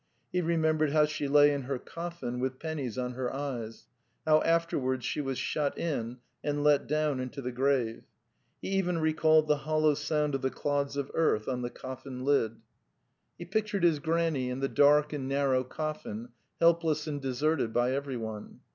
He remembered how she lay in her coffin with pen nies on her eyes, how afterwards she was shut in and let down into the grave; he even recalled the hollow sound of the clods of earth on the coffin lid... . The Steppe 243 He pictured his granny in the dark and narrow cofhn, helpless and deserted by everyone.